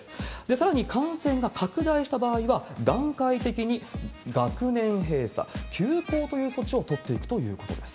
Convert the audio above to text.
さらに感染が拡大した場合は、段階的に学年閉鎖、休校という措置を取っていくということです。